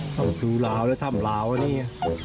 ต้องดูราวแล้วทำราวนี่